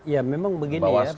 ya memang begini ya